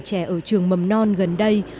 trẻ ở trường mầm non gần đây